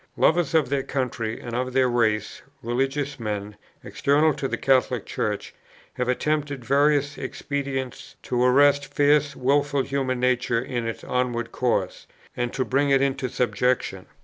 Lovers of their country and of their race, religious men, external to the Catholic Church, have attempted various expedients to arrest fierce wilful human nature in its onward course, and to bring it into subjection.